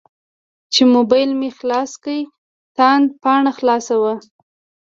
چې موبایل مې خلاص کړ تاند پاڼه خلاصه وه.